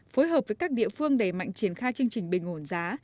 phối hợp với các địa phương đẩy mạnh triển khai chương trình bình ổn giá